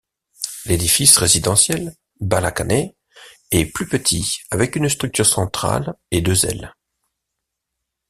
L’édifice résidentiel, Bala Khaneh, est plus petit, avec une structure centrale et deux ailes.